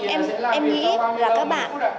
em nghĩ là các bạn